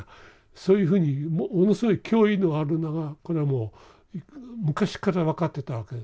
そういうふうにものすごい脅威のあるのはこれはもう昔から分かってたわけ。